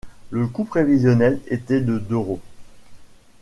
Le coût prévisionnel était de d’euros.